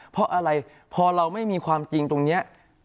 เพราะอะไรพอเราไม่มีความจริงตรงนี้